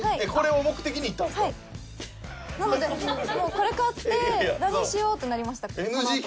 なのでもうこれ買って「何しよう？」ってなりました。